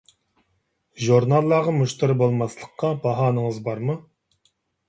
ژۇرناللارغا مۇشتەرى بولماسلىققا باھانىڭىز بارمۇ؟